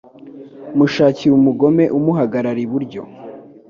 Mushakire umugome umuhagarara iburyo